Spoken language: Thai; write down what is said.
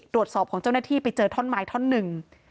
ของเจ้าหน้าที่ไปเจอท่อนไม้ท่อนหนึ่ง